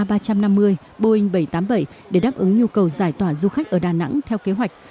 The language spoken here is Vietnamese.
boeing bảy trăm tám mươi bảy để đáp ứng nhu cầu giải tỏa du khách ở đà nẵng theo kế hoạch